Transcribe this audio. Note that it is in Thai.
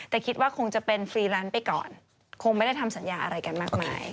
แต่คิดว่าคงจะเป็นฟรีแลนซ์ไปก่อนคงไม่ได้ทำสัญญาอะไรกันมากมาย